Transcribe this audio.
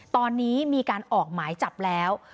ตอนนี้มีการออกหมายจับแล้ว